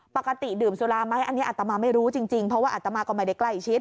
ปกติดื่มสุราไหมอันนี้อัตมาไม่รู้จริงเพราะว่าอัตมาก็ไม่ได้ใกล้ชิด